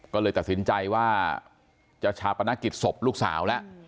ก็เลยตัดสินใจว่าจะชาปนกิจศพลูกสาวแล้ว